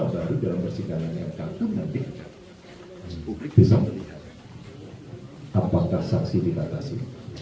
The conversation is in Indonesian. apakah dalam persidangan mk itu nanti bisa melihat apakah saksi dilatasi